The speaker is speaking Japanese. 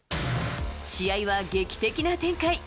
試合は劇的な展開。